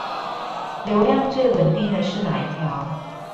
流量最穩定的是那一條？